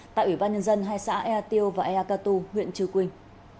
tại ủy ban nhân dân hai xã ea tiêu và ea cà tu huyện chư quynh